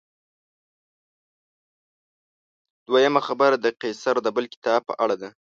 دویمه خبره د قیصر د بل کتاب په اړه ده.